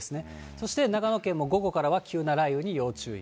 そして長野県も午後からは急な雷雨に要注意。